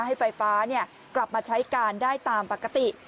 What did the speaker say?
ให้ไฟฟ้ากลับมาใช้การได้ตามปกติ